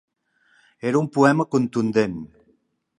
Era un poema contundent.